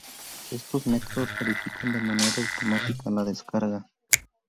Estos métodos verifican de manera automática la descarga